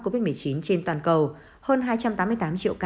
covid một mươi chín trên toàn cầu hơn hai trăm tám mươi tám triệu ca